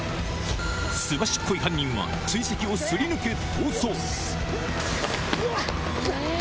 すばしっこい犯人は、追跡をすり抜け逃走。